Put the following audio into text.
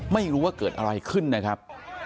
ไม่รู้ว่าเกิดอะไรขึ้นนะครับ